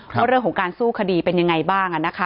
ว่าเรื่องของการสู้คดีเป็นยังไงบ้าง